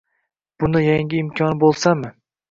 Buni yangi imkoni bo‘lsami…